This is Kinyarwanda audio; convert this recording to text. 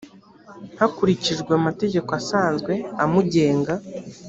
hakurikijwe amategeko asanzwe amugenga